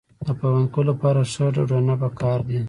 د پیوند کولو لپاره ښه ډډونه پکار دي.